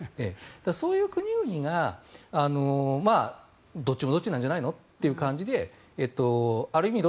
そういう国々がどっちもどっちなんじゃないの？という感じである意味